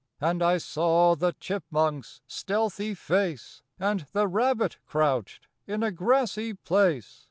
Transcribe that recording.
And I saw the chipmunk's stealthy face, And the rabbit crouched in a grassy place.